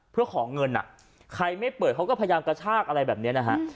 เพื่อขอเงินอ่ะใครไม่เปิดเขาก็พยายามกระชากอะไรแบบนี้นะฮะ